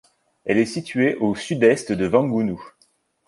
Elle est située au sud-est de Vangunu.